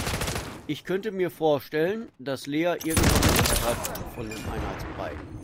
Ich könnte mir vorstellen, dass Lea irgendwann genug hat von dem Einheitsbrei.